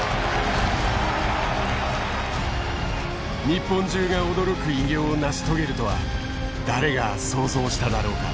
日本中が驚く偉業を成し遂げるとは誰が想像しただろうか。